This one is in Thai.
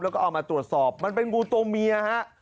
แล้วก็เอามาตรวจสอบมันเป็นงูตัวเมียฮะ